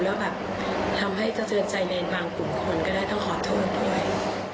แล้วทำให้เตือนในกลุ่มคนก็ได้ต้องคอโทษด้วย